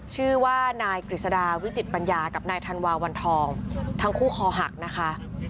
ชื่อว่านายกฤษดาวิจิตปัญญากับนายธันวาวันทองทั้งคู่คอหักนะคะ